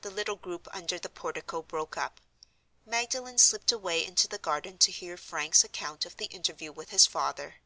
The little group under the portico broke up. Magdalen slipped away into the garden to hear Frank's account of the interview with his father.